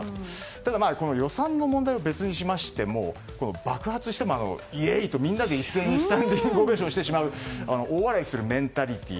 ただ予算の問題は別にしましても爆発してもイエーイとみんなでスタンディングオベーションする大笑いするメンタリティー。